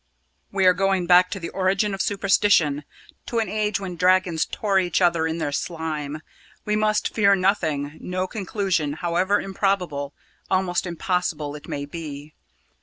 We are going back to the origin of superstition to an age when dragons tore each other in their slime. We must fear nothing no conclusion, however improbable, almost impossible it may be.